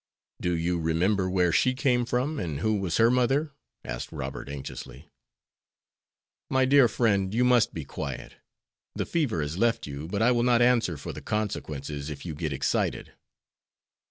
"Do you remember where she came from, and who was her mother?" asked Robert, anxiously. "My dear friend, you must be quiet. The fever has left you, but I will not answer for the consequences if you get excited."